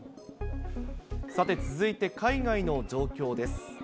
さて、続いて海外の状況です。